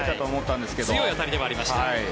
強い当たりではありました。